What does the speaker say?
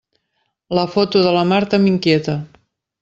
La foto de la Marta m'inquieta.